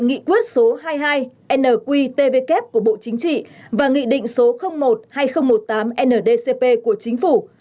nghị quyết số hai mươi hai nqtvk của bộ chính trị và nghị định số một hai nghìn một mươi tám ndcp của chính phủ